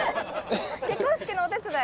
結婚式のお手伝い？